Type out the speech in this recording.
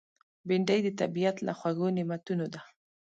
بېنډۍ د طبیعت له خوږو نعمتونو ده